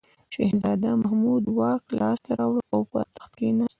شهزاده محمود واک لاس ته راوړ او پر تخت کښېناست.